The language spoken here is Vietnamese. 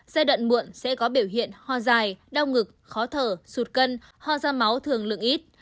giai đoạn muộn sẽ có biểu hiện ho dài đau ngực khó thở sụt cân ho da máu thường lượng ít